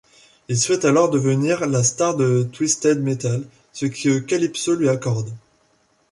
Il souhaite alors devenir la star de Twisted Metal, ce que Calypso lui accorde.